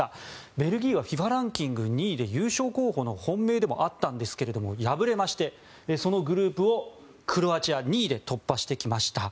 ベルギーはＦＩＦＡランキング２位で優勝候補の本命でもあったんですが敗れましてそのグループをクロアチア２位で突破してきました。